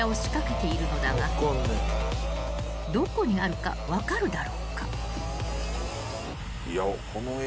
［どこにあるか分かるだろうか］